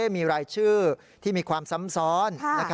มีรายชื่อที่มีความซ้ำซ้อน